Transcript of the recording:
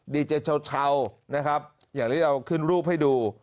ดีเจเช่านะครับอย่างที่เราขึ้นรูปให้ดู